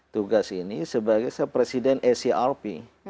tugas ini sebagai presiden acrp